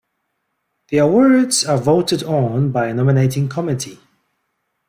The awards are voted on by a nominating committee.